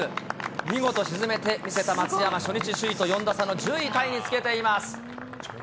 見事沈めて見せた松山、初日首位と４打差の１０位タイにつけています。